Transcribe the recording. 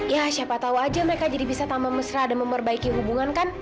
ya siapa tahu aja mereka jadi bisa tambah mesra dan memperbaiki hubungan kan